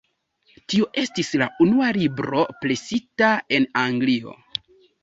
Tio estis la unua libro presita en Anglio.